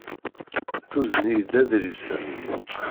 Tuzen-iyi-d adlis-a.